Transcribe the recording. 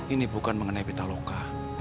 ini bukan mengenai pitalongka